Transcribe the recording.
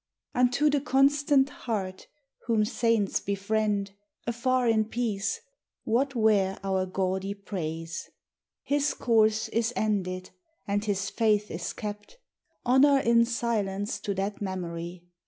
UNTO the constant heart whom saints befriend Afar in peace, what were our gaudy praise? His course is ended, and his faith is kept. Honor in silence to that memory!